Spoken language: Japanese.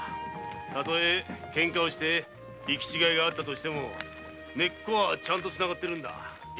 たとえケンカして行き違いがあっても根っ子はちゃんとつながってるんだ。